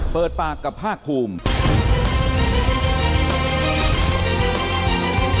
เปิดปากกับภาคภูมิ